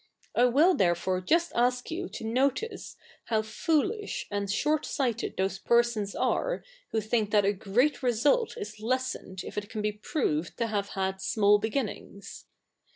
I will therefore just ask you to notice how foolish atid short sighted those perso/ts are who think that a great result is lesse7ied if it ca7i be proved to have had small beginnings.